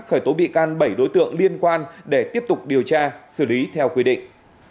khởi tố bị can bảy đối tượng liên quan để tiếp tục điều tra xử lý theo quy định